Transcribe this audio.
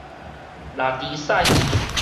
抐豬屎